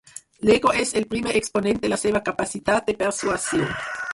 L'Ego és el primer exponent de la seva capacitat de persuassió.